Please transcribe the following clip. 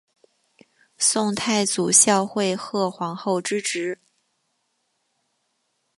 宋太祖孝惠贺皇后之侄。